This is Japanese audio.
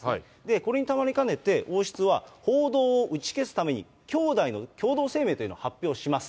これにたまりかねて王室は、報道を打ち消すために兄弟の共同声明というのを発表します。